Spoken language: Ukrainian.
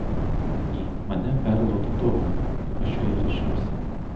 Ні, мене перло до того, на що я рішився.